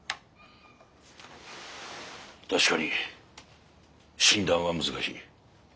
確かに診断は難しい。